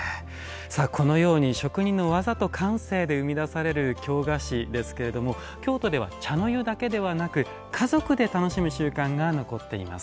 このように職人の技と感性で生み出される京菓子ですけれども京都では茶の湯だけではなく家族で楽しむ習慣が残っています。